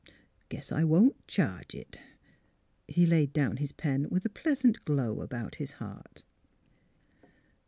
... Guess I won't charge it." He laid down his pen with a pleasant glow about his heart.